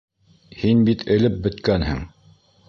Һин бит элеп бөткәнһең!